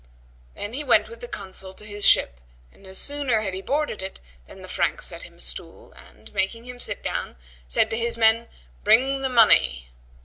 Then he went with the Consul to his ship and no sooner had he boarded it than the Prank set him a stool and, making him sit down, said to his men, "Bring the money."